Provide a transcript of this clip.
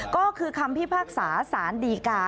ก็คือคำพิพากษาสารดีกา